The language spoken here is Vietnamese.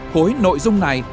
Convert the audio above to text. khối nội dung này